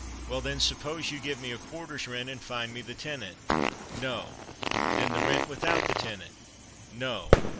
"Well, then, suppose you give me a quarter's rent, and find me the tenant." "No!" "Then the rent without the tenant." "No!"